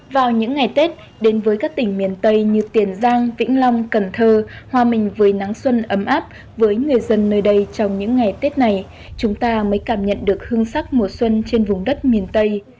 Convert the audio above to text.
vào những ngày tết đến với các tỉnh miền tây như tiền giang vĩnh long cần thơ hòa mình với nắng xuân ấm áp với người dân nơi đây trong những ngày tết này chúng ta mới cảm nhận được hương sắc mùa xuân trên vùng đất miền tây